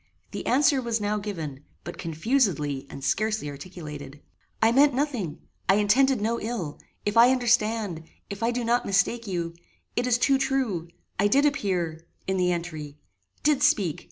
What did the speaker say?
The answer was now given, but confusedly and scarcely articulated. "I meant nothing I intended no ill if I understand if I do not mistake you it is too true I did appear in the entry did speak.